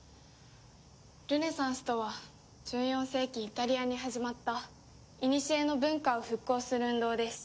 ルネサンスとは１４世紀イタリアに始まったいにしえの文化を復興する運動です。